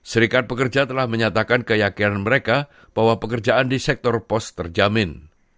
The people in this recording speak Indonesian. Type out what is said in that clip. serikat pekerja telah menyatakan keyakinan mereka bahwa pekerjaan di sektor pos terjamin